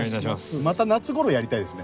また夏ごろやりたいですね。